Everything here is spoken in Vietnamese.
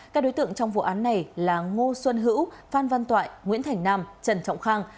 các đối tượng trong vụ án này là ngô xuân hữu phan văn toại nguyễn thành nam trần trọng khang